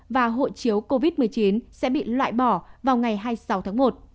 và hộ chiếu covid một mươi chín sẽ bị loại bỏ vào ngày hai mươi sáu tháng một